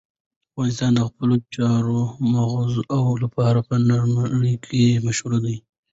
افغانستان د خپلو چار مغز لپاره په نړۍ کې مشهور دی.